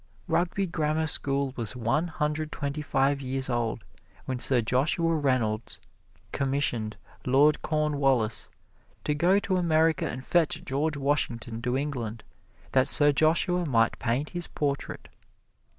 Rugby Grammar School was one hundred twenty five years old when Sir Joshua Reynolds commissioned Lord Cornwallis to go to America and fetch George Washington to England, that Sir Joshua might paint his portrait.